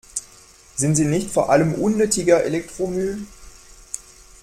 Sind sie nicht vor allem unnötiger Elektromüll?